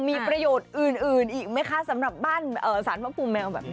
มีประโยชน์อื่นอีกไหมคะสำหรับบ้านสารพระภูมิแมวแบบนี้